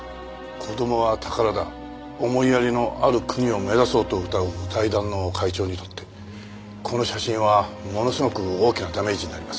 「子供は宝だ思いやりのある国を目指そう」とうたう財団の会長にとってこの写真はものすごく大きなダメージになります。